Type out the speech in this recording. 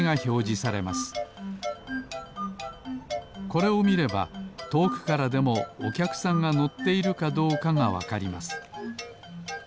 これをみればとおくからでもおきゃくさんがのっているかどうかがわかります。